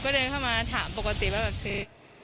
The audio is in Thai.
ก็เดินเข้ามาถามปกติว่าแบบซื้อ